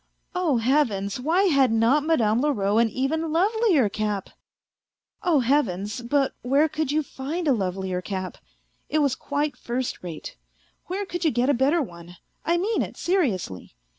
... Oh, Heavens ! why had not Madame Leroux an even lovelier cap ? Oh, Heavens ! but where could you find a lovelier cap ? It was quite first rate. Where could you get a better one ? I mean it seriously.